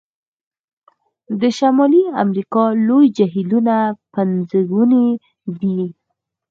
د شمالي امریکا لوی جهیلونه پنځګوني دي.